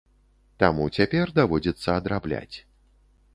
Таму цяпер даводзіцца адрабляць.